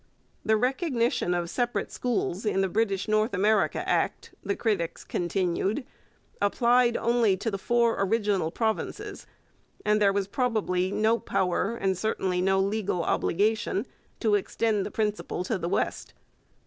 The recognition of separate schools in the British North America Act, the critics continued, applied only to the four original provinces, and there was probably no power, and certainly no legal obligation, to extend the principle to the West.